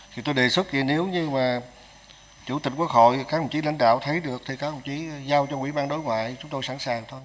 thì tôi đề xuất thì nếu như mà chủ tịch quốc hội các đồng chí lãnh đạo thấy được thì các ông chí giao cho quỹ ban đối ngoại chúng tôi sẵn sàng thôi